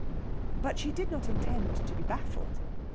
But she did not intend to be baffled.